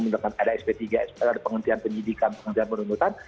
misalkan ada sp tiga sp ada penghentian penyidikan penghentian penuntutan